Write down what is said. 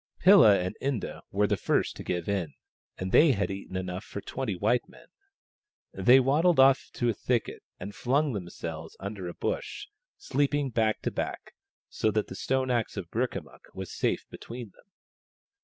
Pilla and Inda were the first to give in, and they had eaten enough for twenty white men. They waddled off to a thicket and flung themselves under THE STONE AXE OF BURKAMUKK 45 a bush, sleeping back to back, so that the stone axe of Burkamukk was safe between them.